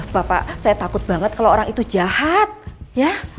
bapak saya takut banget kalau orang itu jahat ya